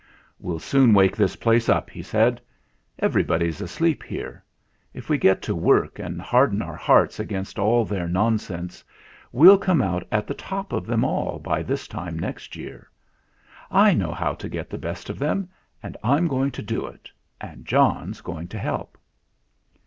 "We'll soon wake this place up!" he said. "Everybody's asleep here. If we get to work and harden our hearts against all their non sense, we'll come out at the top of them all by this time next year. I know how to get the best of them, and I'm going to do it, and John's going to help."